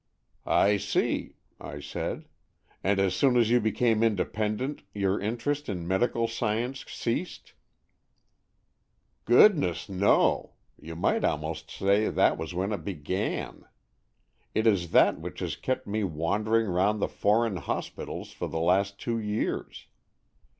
" I see," I said. "And as soon as you be came independent, your interest in medical science ceased." "Goodness, no! You might almost say that was when it began. It is that which has kept me wandering round the foreign hos pitals for the last two years.